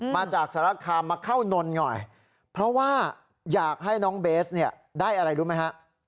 มาจากสารคามมาเข้านนหน่อยเพราะว่าอยากให้น้องเบสเนี่ยได้อะไรรู้ไหมฮะ